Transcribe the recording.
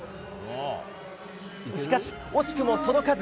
しかし惜しくも届かず。